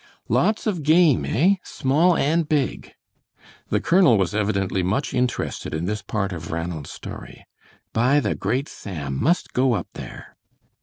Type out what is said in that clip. "Lots of game, eh? Small and big?" The colonel was evidently much interested in this part of Ranald's story. "By the great Sam, must go up there!"